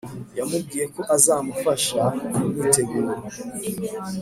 yamubwiye ko azamufasha mumyiteguro